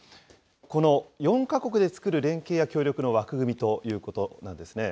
この４か国で作る連携や協力の枠組みということなんですね。